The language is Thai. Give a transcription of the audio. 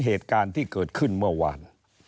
เหตุการณ์ที่เกิดขึ้นเมื่อวาน